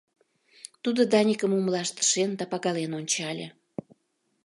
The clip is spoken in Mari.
Тудо Даникым умылаш тыршен да пагален ончале.